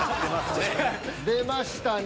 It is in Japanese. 出ましたね。